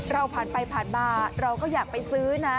เราผ่านไปผ่านมาเราก็อยากไปซื้อนะ